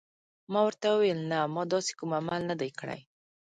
ما ورته وویل: نه، ما داسې کوم عمل نه دی کړی.